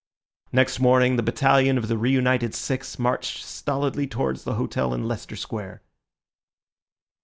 Next morning the battalion of the reunited six marched stolidly towards the hotel in Leicester Square.